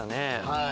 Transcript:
はい。